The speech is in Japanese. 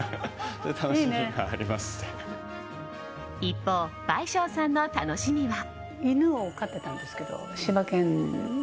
一方、倍賞さんの楽しみは。